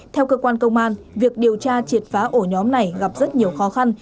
theo cơ quan công an việc điều tra triệt phá ổ nhóm này gặp rất nhiều khó khăn